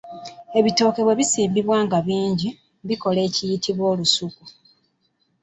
Ebitooke bwe bisimbibwa nga bingi, bikola ekiyitibwa olusuku